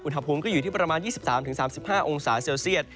อุณหภูมิก็อยู่ที่ประมาณ๒๓๓๕องศาเซลเซียต